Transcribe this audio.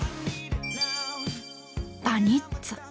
バニッツァ。